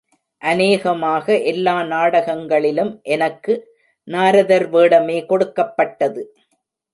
அநேகமாக எல்லா நாடகங்களிலும் எனக்கு நாரதர் வேடமே கொடுக்கப்பட்டது.